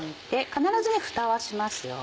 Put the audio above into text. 必ずふたはしますよ。